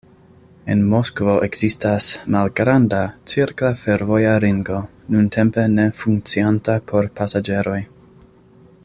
En Moskvo ekzistas "malgranda" cirkla fervoja ringo, nuntempe ne funkcianta por pasaĝeroj.